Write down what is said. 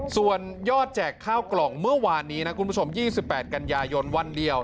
ส่วนยอดแจกข้าวกล่องเมื่อวานนี้นะคุณผู้ชม๒๘กันยายนวันเดียว